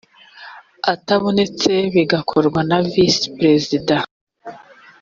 atabonetse bigakorwa na visi perezida